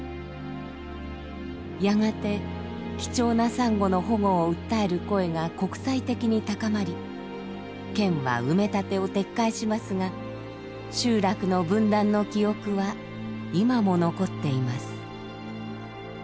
やがて貴重なサンゴの保護を訴える声が国際的に高まり県は埋め立てを撤回しますが集落の分断の記憶は今も残っています。